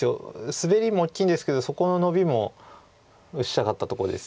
スベリも大きいんですけどそこのノビも打ちたかったとこです。